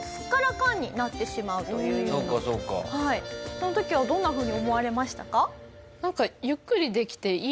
その時はどんなふうに思われましたか？